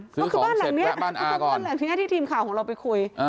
ก็คือบ้านหลังนี้บ้านหลังที่ทีมข่าวของเราไปคุย